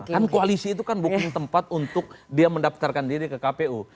kan koalisi itu kan bukan tempat untuk dia mendaftarkan diri ke kpu